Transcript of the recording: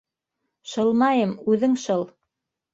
- Шылмайым, үҙең шыл.